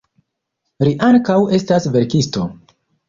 Li ankaŭ estas verkisto.